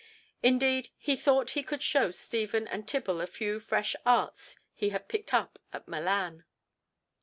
Indeed he thought he could show Stephen and Tibble a few fresh arts he had picked up at Milan.